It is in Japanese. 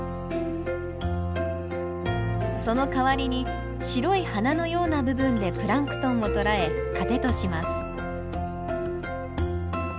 その代わりに白い花のような部分でプランクトンを捕らえ糧とします。